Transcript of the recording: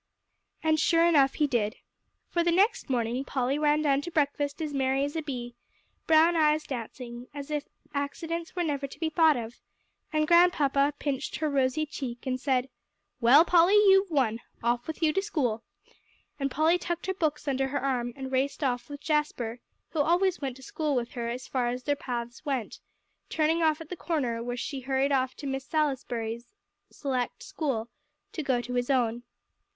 And sure enough, he did. For the next morning Polly ran down to breakfast as merry as a bee, brown eyes dancing, as if accidents were never to be thought of; and Grandpapa pinched her rosy cheek, and said: "Well, Polly, you've won! Off with you to school." And Polly tucked her books under her arm, and raced off with Jasper, who always went to school with her as far as their paths went, turning off at the corner where she hurried off to Miss Salisbury's select school, to go to his own.